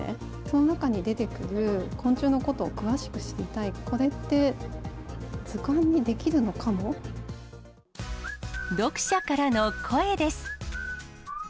その中に出てくる昆虫のことを詳しく知りたい、これって、読者からの声です。